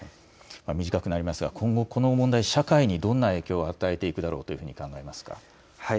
短くなりますが、今後、この問題、社会にどんな影響を与えていくだろうというふうに考えますか。